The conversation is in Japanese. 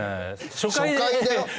初回だよ